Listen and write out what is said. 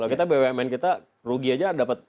kalau kita bumn kita rugi aja dapat